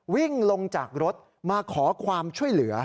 วิ่งลงจากรถมาขอความช่วยเหลือ